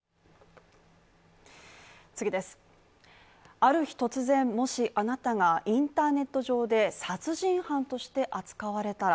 ある日突然、もし、あなたがインターネット上で殺人犯として扱われたら。